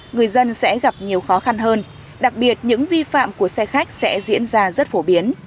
người dân sẽ gặp nhiều khó khăn hơn đặc biệt những vi phạm của xe khách sẽ diễn ra rất phổ biến